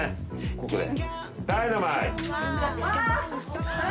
ここで？